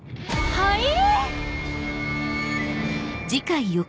はい？